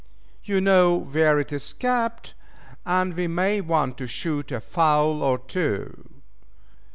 You know where it is kept, and we may want to shoot a fowl or two."